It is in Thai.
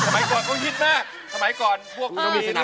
ตั้งแต่สมัยก่อนเขาคิดแน่